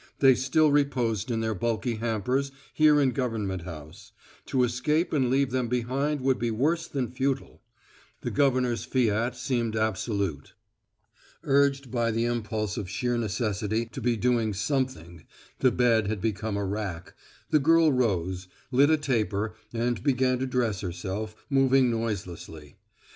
They still reposed in their bulky hampers here in Government House; to escape and leave them behind would be worse than futile. The governor's fiat seemed absolute. Urged by the impulse of sheer necessity to be doing something the bed had become a rack the girl rose, lit a taper, and began to dress herself, moving noiselessly.